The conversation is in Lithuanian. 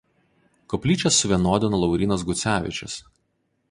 Koplyčias suvienodino Laurynas Gucevičius.